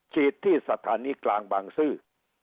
ฉีดที่สถานีกลางบางซื่อ